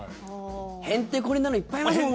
へんてこりんなのいっぱいいますもんね。